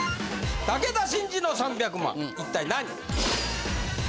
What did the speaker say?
武田真治の３００万円一体何？